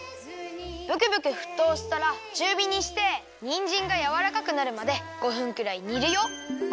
ブクブクふっとうしたらちゅうびにしてにんじんがやわらかくなるまで５分くらいにるよ。